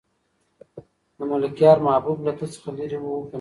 د ملکیار محبوب له ده څخه لرې و که نږدې؟